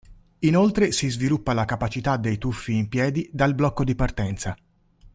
Inoltre si sviluppa la capacità del tuffi in piedi dal blocco di partenza.